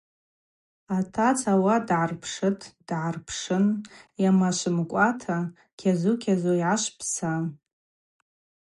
Атаца ауат дгӏарпшытӏ, дгӏарпшын – Йамашвымкӏуата кьазу-кьазу йгӏашвпса.